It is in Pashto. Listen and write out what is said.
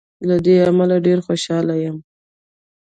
له دې امله ډېر خوشاله یم.